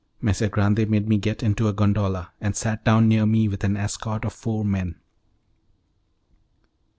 Messer Grande made me get into a gondola, and sat down near me with an escort of four men.